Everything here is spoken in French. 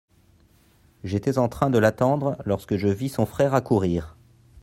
J'étais en train de l'attendre lorsque je vis son frère accourir.